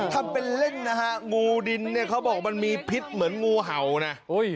ทำเป็นเล่นนะฮะงูดินเนี่ยเขาบอกมันมีพิษเหมือนงูเห่านะ